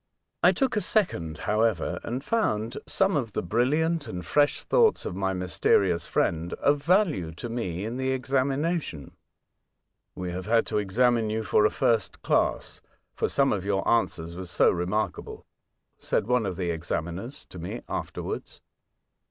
I took a second, however, and found some of the brilliant and fresh thoughts of my mysterious friend of value to me in the examination. " We have had to examine you for a first class, for some of your answers were so remarkable," said one of the examiners to me afterwards.